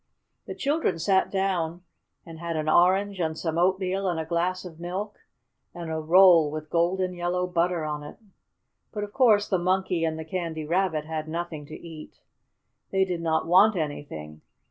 The children sat down and had an orange and some oatmeal and a glass of milk and a roll with golden yellow butter on it. But of course the Monkey and the Candy Rabbit had nothing to eat. They did not want anything.